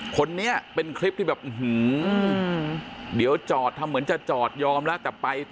คนนี้เป็นคลิปที่แบบอื้อหือเดี๋ยวจอดทำเหมือนจะจอดยอมแล้วแต่ไปต่อ